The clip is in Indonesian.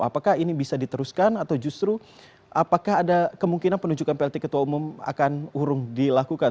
apakah ini bisa diteruskan atau justru apakah ada kemungkinan penunjukan plt ketua umum akan urung dilakukan